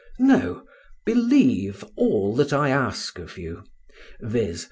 No; believe all that I ask of you—viz.